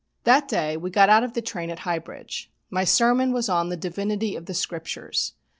That day we got out of the train at High Bridge. My sermon was on "The Divinity of the Scriptures."